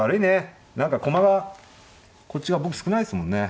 何か駒がこっち側僕少ないですもんね。